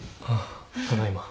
ただいま。